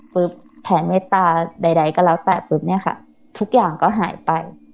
แผ่เมตตาใดก็แล้วแต่ปุ๊บเนี่ยค่ะทุกอย่างก็หายไป